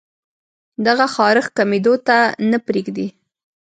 دغه خارښ کمېدو ته نۀ پرېږدي